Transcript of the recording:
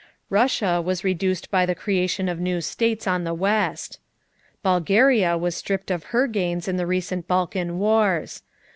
Russia was reduced by the creation of new states on the west. Bulgaria was stripped of her gains in the recent Balkan wars.